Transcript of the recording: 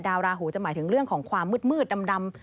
ราหูจะหมายถึงเรื่องของความมืดดำ